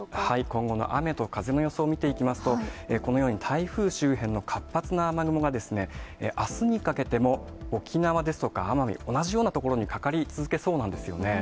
今後の雨と風の予想を見ていきますと、このように、台風周辺の活発な雨雲があすにかけても沖縄ですとか奄美、同じような所にかかり続けそうなんですよね。